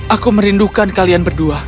aku merindukan kalian berdua